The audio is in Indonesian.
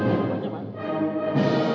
lagu kebangsaan indonesia raya